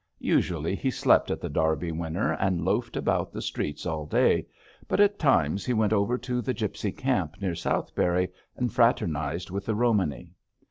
Usually he slept at The Derby Winner and loafed about the streets all day, but at times he went over to the gipsy camp near Southberry and fraternised with the Romany.